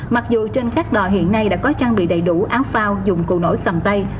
mặc dù trên các đò hiện nay đã có trang bị đầy đủ áo phao dụng cụ nổi tầm tay